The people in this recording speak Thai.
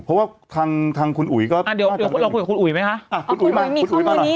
เพราะว่าทางคุณอุ๋ยก็อ่าเดี๋ยวเราคุยกับคุณอุ๋ยไหมคะอ่าคุณอุ๋ยมีข้อมูลนี้หรอ